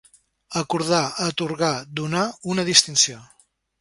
Acordar, atorgar, donar, una distinció.